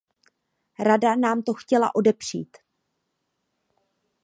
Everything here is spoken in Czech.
Rada nám to chtěla odepřít.